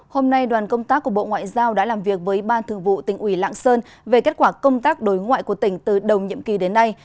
hôm nay đoàn công tác của bộ ngoại giao đã làm việc với ban thư vụ tỉnh ủy lạng sơn về kết quả công tác đối ngoại của tỉnh từ đầu nhiệm kỳ đến nay